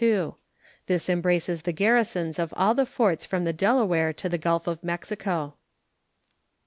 This embraces the garrisons of all the forts from the Delaware to the Gulf of Mexico.